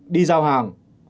đi giao hàng